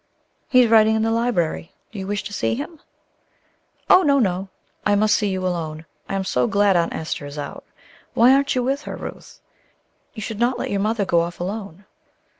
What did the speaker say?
"He is writing in the library. Do you wish to see him?" "Oh, no, no! I must see you alone. I am so glad Aunt Esther is out. Why aren't you with her, Ruth? You should not let your mother go off alone."